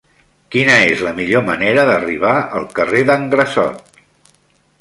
Quina és la millor manera d'arribar al carrer d'en Grassot?